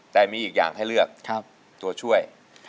แต่มีอีกอย่างให้เลือกตัวช่วย